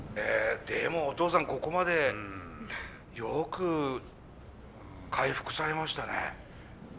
でもお父さんここまでよく回復されましたね。